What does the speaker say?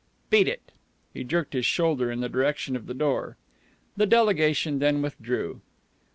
Beat it." He jerked his shoulder in the direction of the door. The delegation then withdrew.